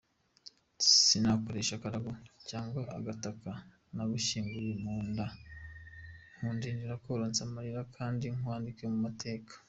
Sinakoroshe akarago cyangwa agataka, nagushyinguye mu nda, nkundira nkorose amalira kandi nkwandike mu mateka.